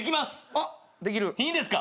あっできる？いいんですか？